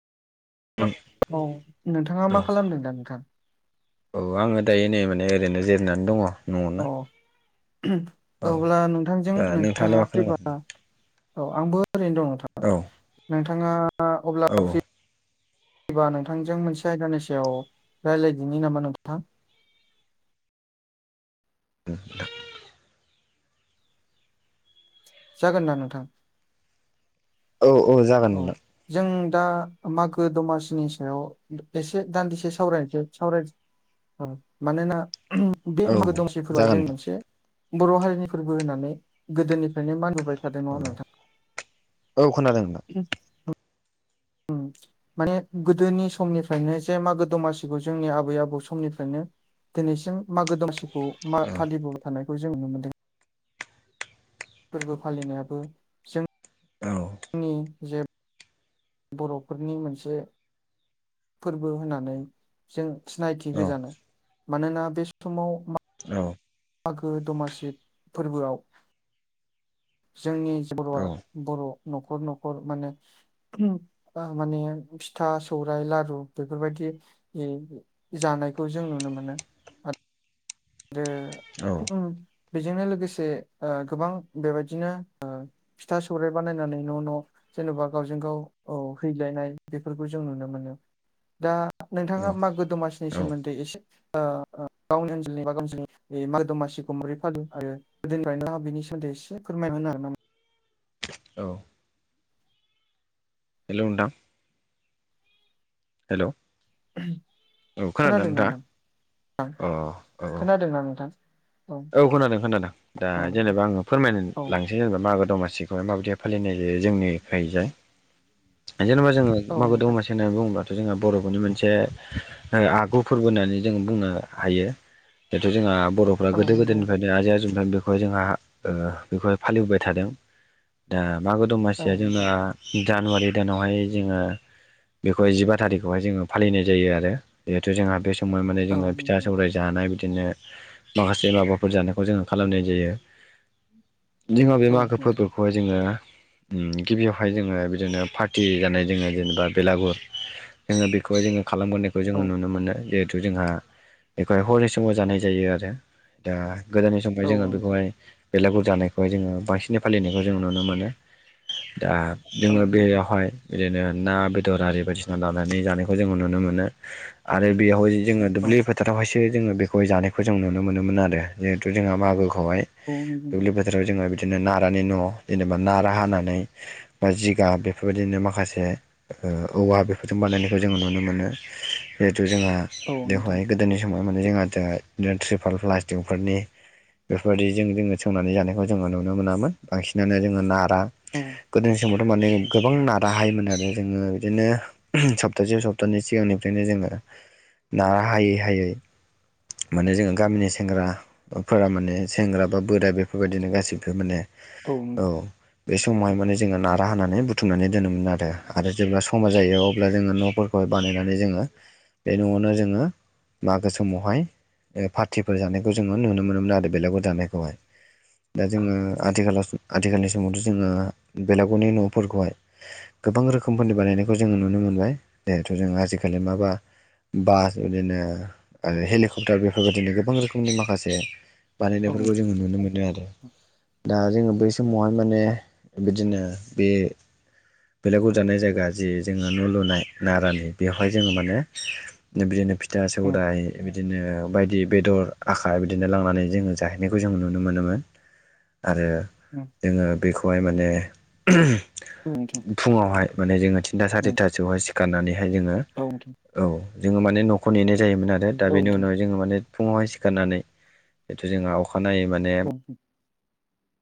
औ औ नोंथाङा मा खालामदों दा नोंथां? औ आङो दायो नै माने ओरैनो जिरायनानै दङ। अ औ अब्ला नोंथांजों दा नोंथाङालाय नोंथाङा मा खालामगासिनो फ्रिबा औ आंबो ओरैनो दं नोंथां। औ। नोंथाङा अब्ला औ फ्रि फ्रिबा नोंथांजों मोनसे आयदानि सायाव रायलायदिनि नामा नोंथां? [inaudible] जागोन ना नोंथां? औ औ जागोन नोंथां। जों दा मागो दमासिनि सायाव एसे दान्दिसे सावरायनोसै सावराय नि मानोना बे औ मागोदमसि फोरबोआ जागोन जोंनि नोंथां मोनसे बर' हारिनि फोरबो होननानै गोदोनिफ्रायनो मानिबोबाय थादो औ नङा होनबा नोंथां औ खोनादों नोंथां उम उम माने गोदोनि समनिफ्रायनो जे मागो दमासिखौ जोंनि आबै आबौ समनिफ्रायनो दिनैसिम मागो दमसिखौ मा औ फालिबोबाय थानायखौ जों नुनो मोनदों। फोरबो फालिनायाबो औ नि जेब बर'फोरनि मोनसे फोरबो होननानै जों सिनायथि औ होजानो मानोना बे समाव औ मागो दमासि फोरबोआव जोंनि जे बर'आ बर' न'खर न'खर माने माने फिथा सौराय लारु बेफोरबायदि यै जानायखौ जों नुनो मोनो। जे औ बेजोंनो लोगोसे ओ गोबां बेबायदिनो ओ फिथा सौराइ बानायनानै न' न' जेन'बा गावजों गाव औ हैलायनाय बेफोरखौ जों नुनो मोनो दा औ नोंथाङा मागो दमासिनि सोमोन्दै एसे ओ गावनि मागो दमासिखौै फालियो आरो गोदोनिफ्रायनो बिनि सोमोदै एसे फोरमायना होनो नामा औ हेलौ नोंथां हेल' औ खोनादोंना नोंथाङा अ औ औ दोंना नोंथां औ खोनादों खोनादों दा औ जेनेबा आङो फोरमायनो औ लां जेनबा मागो दमासिखौहाय माबायदि फालिनाय जायो जोंनिखायजाय जेन'बा जोङो औ मागो नोंथां दमासि होननानै बुङोबथ' जोंहा बर'फोरनि मोनसे आगु फोरबो होननानै जों बुंनो हायो दाथ' जोंहा बर' औ नंगौ नंगौ दा जोंहा जुमथ बेखौहाय जोंहा ओ बेखौहाय फालिबोबाय थादों दा मा गो औ दमासिया जोंना नोंथां जानुवारि दानावहाय जोङो बेखौहाय जिबा थारिखआवहाय जोङो फालिनाय जायो आरो जिहेथु जोंहा बे सम फ्राय माने औ जोङो फिथा नोंथां सौराय जानाय बिदिनो माखासे माबाफोर जानायखौ जोङो खालामनाय जायो जोंहा बे औ मागो नोंथां फोरबोफोरखौहाय जोङो ओम गिबियावहाय जोङो बिदिनो पार्टि जानाय जोङो जेनेबा बेलागुर जोङो बेखौ जोङो खालामबोनायखौ जोङो औ नुनो मोनो जिहेथु जोंहा बेखौहाय हरनि समाव जानाय जायो आरो दा गोदोनि समाव जोङो औ नोंथां बेखौहाय बेलागुर जानायखौहाय जोङो बांसिनै फालिनायखौ जों नुनो मोनो दा औ जोङो नोंथां बेयावहाय बिदिनो ना बेदर आरि बायदिसिना लानानै जानायखौ जोङो नुनो मोनो आरो बेयाव जि जोङो दुब्लि औ फोथारावहायसो जोङो बेखौहाय जानायखौ जों नुनो मोनोमोन आरो जिहेथु जोंहा मागोखौहाय औ नोंथां दुब्लि बोथोराव जोङो बिदिनो नारानि न' जेनेबा नारा हानानै बा जिगाब बेफोरबायदिनो माखासे ओ औवा बेफोरजों बानायनायखौ जोङो नुनो मोनो जिहेथु जोंहा औ नोंथां बेवहाय गोदोनि समाव माने जों रिपल प्लास फंफोरनि बेफोरबायदिजों जोङो सोंनानै जानायखौ जोङो नुनो मोनामोन बांसिनानो जोङो ना नारा औ गोदोनि समावथ' माने गोबां नाराहायोमोन आरो जोङो बिदिनो। सप्तासेयाव सप्तानैै सिगांनिफ्रायनो जोङो नारा हायै हायै माने जोङो गामिनि सायाव सेंग्राफोरा माने सेंग्रा बा बोरा बेफोरबायदिनो गासिबो माने औ औ बे समावहाय माने जोङो नारा होनानै बुथुमनानै दोनोमोन आरो आरो जेब्ला समा जायो अब्ला जोङो न' बानायनानै जोङो बे न'आवनो जोङो मागो समावहाय फ फोर जानायखौ जोङो नुनो मोनोमोन आरो बेलागुर जानायखौहाय दा जोङो आथिखालाव आथिखालनि समावथ' जोङो बेलागावनि न'फोरखौहाय गोबां रोखोमफोरनि बानायनायखौ जोङो नुनो मोनबाय जिहेथु जों आजिखालि माबा बास बिदिनो आरो हेलिकप्टार बेफोरबायदिनो गोबां रोखोमनि माखासे औ बानायनायफोरखौ नोंथां जोङो नुनो मोनो आरो। दा जोङो बै समावहाय माने बिदिनो बे बेलेग उजानाय जायगा जि जोङो न' लुनाय नारानि बेवहाय जोङो माने बिदिनो फिथा सौरायाइ बिदिनो बायदि बेदर आखा बिदिनो लांनानै जोङो जाहैनायखौ जों नुनो मोनोमोन आरो। उम जोङो बेखौहाय माने औ नोंथां फुङावहाय माने जोङो थिनथा सारिथासोहाय सिखारनानैहाय जोङो औ दे औ जोङो माने न'खौ नेनाय जायोमोन आरो दा औ बेनि नोंथां उनाव जोङो माने सिफुङावहाय सिखारनानै जिथु जोंहा अखानायै माने औ